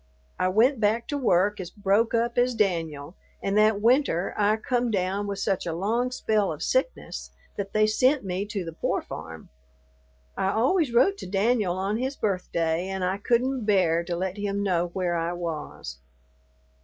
I went back to work as broke up as Danyul, and that winter I come down with such a long spell of sickness that they sent me to the pore farm. I always wrote to Danyul on his birthday and I couldn't bear to let him know where I was.